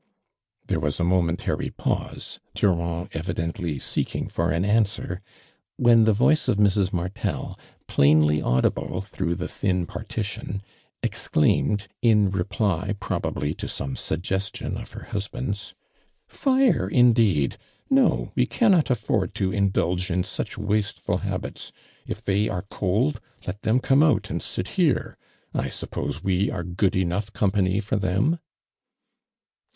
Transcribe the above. There was a momentary pause, Durand evidently seeking for an answer, when the voice of Mrs. Martel, plainly audible through the thin partition, exclaimed, in reply pro bably to some suggestion of her husband's: " Fire, indeed I no, we cannot aflTord to indulge in such wasteful habits. If they are cold let them come out and sit here. I suppose we are good enough company for them